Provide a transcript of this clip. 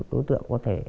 đối tượng có thể